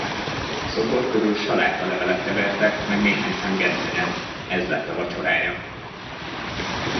A szobor körül salátalevelek hevertek meg néhány szem gesztenye; ez lett a vacsorája.